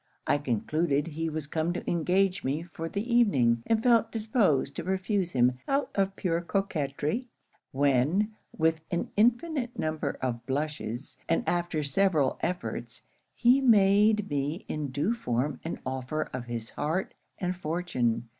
I concluded he was come to engage me for the evening, and felt disposed to refuse him out of pure coquetry; when, with an infinite number of blushes, and after several efforts, he made me in due form an offer of his heart and fortune.